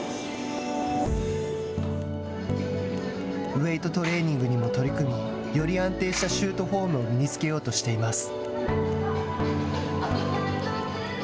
ウエイトトレーニングにも取り組みより安定したシュートフォームを身に着けようとしています。